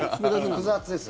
複雑です。